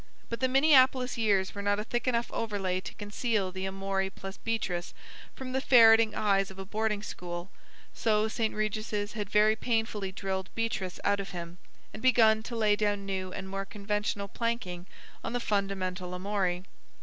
But the Minneapolis years were not a thick enough overlay to conceal the "Amory plus Beatrice" from the ferreting eyes of a boarding school, so St. Regis' had very painfully drilled Beatrice out of him, and begun to lay down new and more conventional planking on the fundamental Amory.